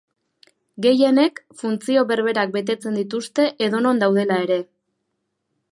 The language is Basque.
Gehienek funtzio berberak betetzen dituzte edonon daudela ere.